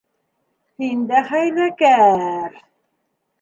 Һин дә хәйләкәр!